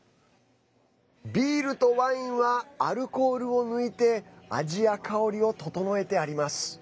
ビールとワインはアルコールを抜いて味や香りを調えてあります。